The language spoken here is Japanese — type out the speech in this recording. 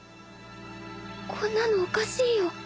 こんなのおかしいよ